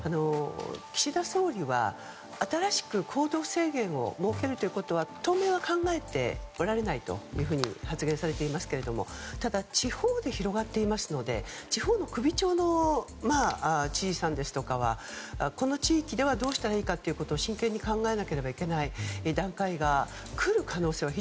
岸田総理は、新しく行動制限を設けるということは当面は考えておられないというふうに発言されていますがただ地方で広がっていますので地方の首長の知事さんですとかはこの地域ではどうしたらいいかを真剣に考えなければいけない段階が来る可能性は